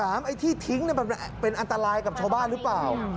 ไอ้ที่ทิ้งมันเป็นอันตรายกับชาวบ้านหรือเปล่า